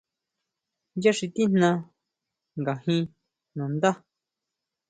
Ya xi tijna nga jin nandá.